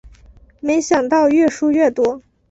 没想到越输越多